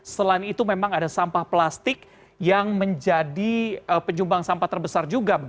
selain itu memang ada sampah plastik yang menjadi penyumbang sampah terbesar juga